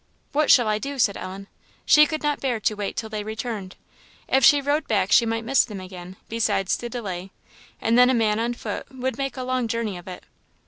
"What shall I do?" said Ellen. She could not bear to wait till they returned; if she rode back she might miss them again, besides the delay; and then a man on foot would make a long journey of it.